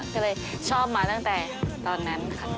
ก็เลยชอบมาตั้งแต่ตอนนั้นค่ะ